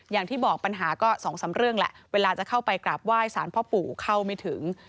อย่างที่บอกปัญหาก็สองสามเรื่องแหละเวลาจะเข้าไปกราบไหว้สารพ่อปู่เข้าไม่ถึง